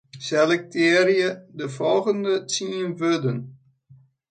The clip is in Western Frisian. Selektearje folgjende tsien wurden.